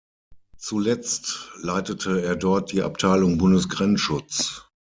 Zuletzt leitete er dort die "Abteilung Bundesgrenzschutz".